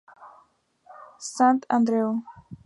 E. Sant Andreu.